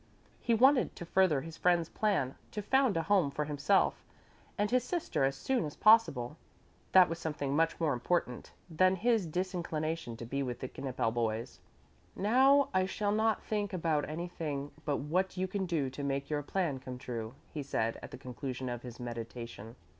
He wanted to further his friend's plan to found a home for himself and his sister as soon as possible. That was something much more important than his disinclination to DC with the Knippel boys. "Now I shall not think about anything but what you can do to make your plan come true," he said at the conclusion of his meditation.